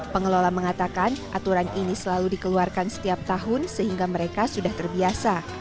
pengelola mengatakan aturan ini selalu dikeluarkan setiap tahun sehingga mereka sudah terbiasa